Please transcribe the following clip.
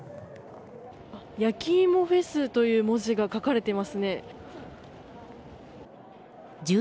やきいもフェスという文字が書かれていますね。